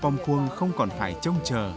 bòm khuông không còn phải trông trờ